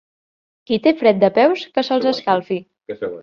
Qui té fred de peus que se'ls escalfi.